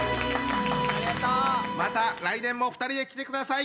また来年も２人で来てください！